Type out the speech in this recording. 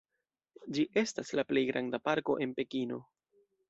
Ĝi estas la plej granda parko en Pekino.